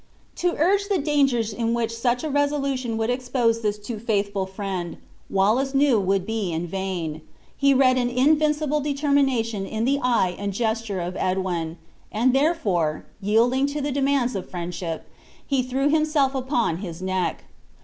To urge the dangers in which such a resolution would expose this too faithful friend, Wallace knew would be in vain: he read an invincible determination in the eye and gesture of Edwin; and, therefore, yielding to the demands of friendship, he threw himself upon his neck.